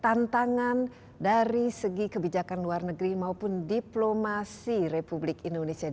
tantangan dari segi kebijakan luar negeri maupun diplomasi republik indonesia